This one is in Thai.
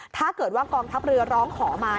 ถ้าเกิดว่ากองทัพเรือร้องขอมา